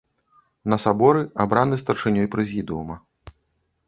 На саборы абраны старшынёй прэзідыума.